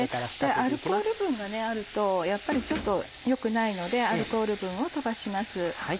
アルコール分があるとやっぱりちょっとよくないのでアルコール分を飛ばします。